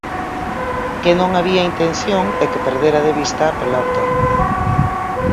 Que non había intención e que perdera de vista a pelota.